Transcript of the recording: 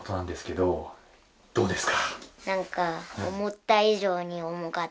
どうですか？